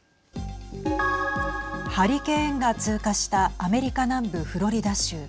ハリケーンが通過したアメリカ南部フロリダ州。